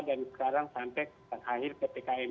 dan sekarang sampai terakhir ppkm